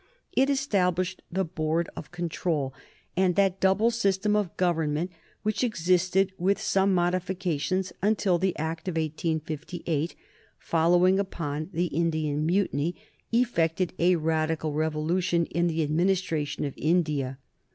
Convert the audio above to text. It established that Board of Control and that double system of government which existed, with some modifications, until the Act of 1858, following upon the Indian Mutiny, effected a radical revolution in the administration of India.